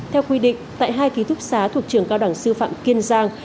theo quy định tại hai ký thúc xá thuộc trường cao đẳng sư phạm kiên giang